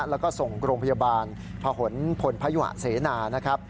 แล้วก็ส่งโรงพยาบาลพะหนพลพยุหะเสนานะครับ